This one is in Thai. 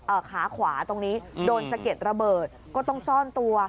ขาขวาตรงนี้โดนสะเก็ดระเบิดก็ต้องซ่อนตัว